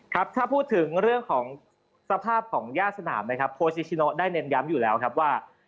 ครับถ้าพูดถึงเรื่องของสภาพของย่าสนามนะครับโค้ชนิชิโนได้เน้นย้ำอยู่แล้วครับว่า